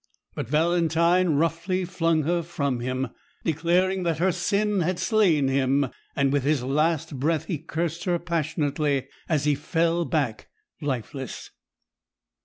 But Valentine roughly flung her from him, declaring that her sin had slain him; and with his last breath he cursed her passionately as he fell back lifeless.